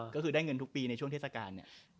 ก็คือได้เงินทุกปีในช่วงเทศกาลเนี่ย